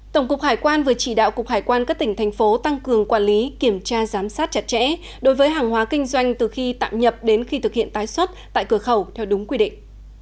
tổng cục hải quan vừa chỉ đạo cục hải quan các tỉnh thành phố tăng cường quản lý kiểm tra giám sát chặt chẽ đối với hàng hóa kinh doanh từ khi tạm nhập đến khi thực hiện tái xuất tại cửa khẩu theo đúng quy định